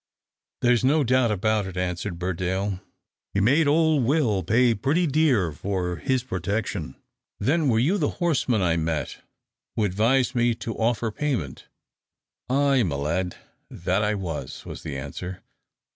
"There's no doubt about it!" answered Burdale. "He made old Will pay pretty dear for his protection." "Then were you the horseman I met, who advised me to offer payment?" "Ay, my lad, that I was," was the answer.